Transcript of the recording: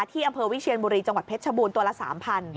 ที่อำเภอวิเชียนบุรีจังหวัดเพชรชบูรณ์ตัวละ๓๐๐บาท